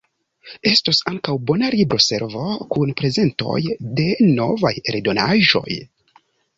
Estos ankaŭ bona libro-servo kun prezentoj de novaj eldonaĵoj.